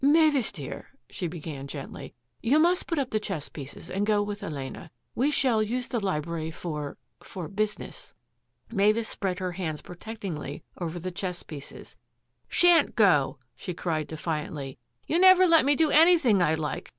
" Mavis dear," she began gently, " you must put up the chess pieces and go with Elena. We shall use the library for — for business." Mavis spread her hands protectingly over the chess pieces. " Shan't go !" she cried defiantly. " You never let me do anything I like.